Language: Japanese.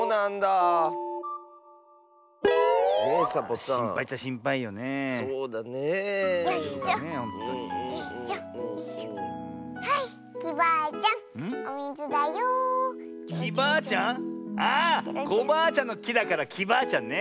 あっコバアちゃんのきだからきバアちゃんね。